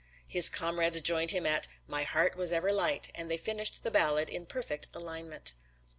His comrades joined him at "My heart was ever light," and they finished the ballad in perfect alignment.